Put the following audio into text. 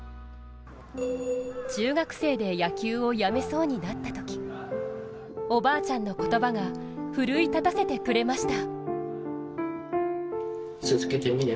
中学生で野球をやめそうになったとき、おばあちゃんの言葉が奮い立たせてくれました。